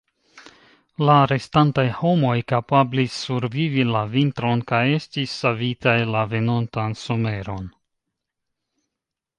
La restantaj homoj kapablis survivi la vintron, kaj estis savitaj la venontan someron.